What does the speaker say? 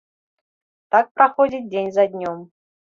Так праходзіць дзень за днём.